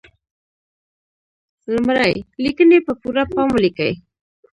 لمړی: لیکنې په پوره پام ولیکئ.